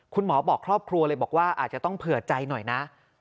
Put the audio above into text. คุณหมอบอกครอบครัวเลยบอกว่าอาจจะต้องเผื่อใจหน่อยนะ